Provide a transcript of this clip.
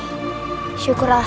aku camino mengejar kanku